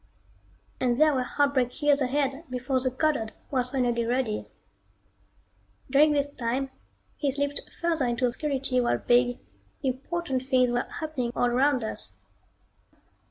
And there were heartbreak years ahead before the Goddard was finally ready. During this time he slipped further into obscurity while big, important things were happening all around us.